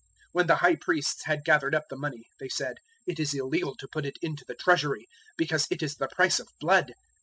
027:006 When the High Priests had gathered up the money they said, "It is illegal to put it into the Treasury, because it is the price of blood."